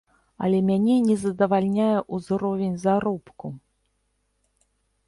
Але мяне не задавальняе ўзровень заробку.